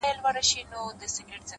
هره ورځ د ځان جوړولو چانس دی!